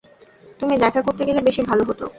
তুমি দেখা করতে গেলে বেশি ভালো হত।